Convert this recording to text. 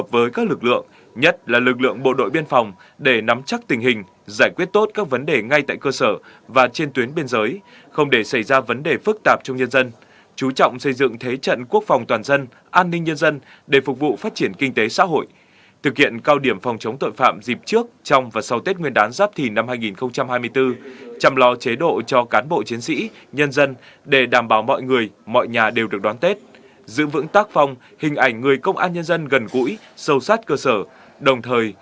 và lực lượng bộ đội biên phòng để nắm chắc tình hình giải quyết tốt các vấn đề ngay tại cơ sở và trên tuyến biên giới không để xảy ra vấn đề phức tạp trong nhân dân chú trọng xây dựng thế trận quốc phòng toàn dân an ninh nhân dân để phục vụ phát triển kinh tế xã hội thực hiện cao điểm phòng chống tội phạm dịp trước trong và sau tết nguyên đán giáp thìn năm hai nghìn hai mươi bốn chăm lo chế độ cho cán bộ chiến sĩ nhân dân để đảm bảo mọi người mọi nhà đều được đón tết giữ vững tác phòng hình ảnh người công an nhân dân gần gũi